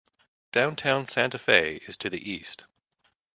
Downtown Santa Fe is to the east.